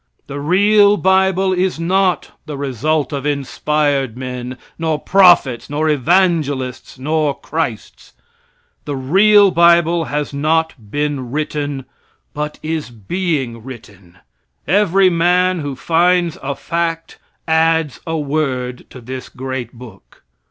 The real bible is not the result of inspired men, nor prophets, nor evangelists, nor christs. The real bible has not been written, but is being written. Every man who finds a fact adds a word to this great book.